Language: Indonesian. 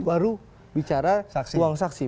baru bicara uang saksi